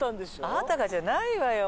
「あんたが」じゃないわよ